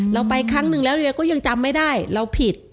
ไปครั้งหนึ่งแล้วเรือก็ยังจำไม่ได้เราผิด